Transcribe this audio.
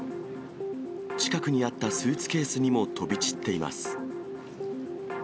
近くにあったスーツケースにも飛び散っています。